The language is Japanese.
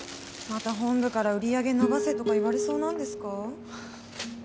また本部から売り上げ伸ばせとか言われそうなんですか？